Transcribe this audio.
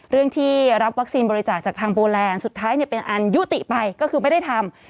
เรื่องที่รับวัคซีนบริจาคจากทางโปแลนด์สุดท้ายเป็นอันยุติไปก็คือไม่ได้ทำ